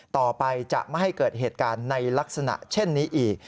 ต่อไปจะไม่ให้เกิดเหตุการณ์ในลักษณะเช่นนี้อีก